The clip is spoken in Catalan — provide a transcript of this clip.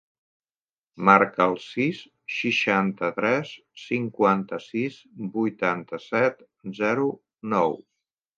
Marca el sis, seixanta-tres, cinquanta-sis, vuitanta-set, zero, nou.